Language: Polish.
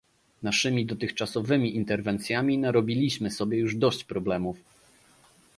Naszymi dotychczasowymi interwencjami narobiliśmy sobie już dość problemów